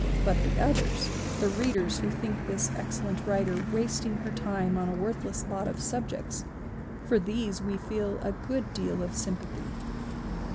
But the others, the readers who think this excellent writer wasting her time oji a worthless lot of subjects, for these we feel a good deal of sympathy.